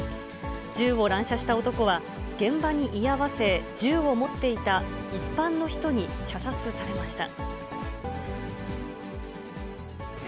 銃を乱射した男は、現場に居合わせ、銃を持っていた一般の人に射殺されました。